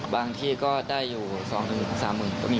บางที่ก็ได้อยู่สองหมื่นสามหมื่น